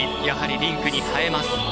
やはり、リンクに映えます。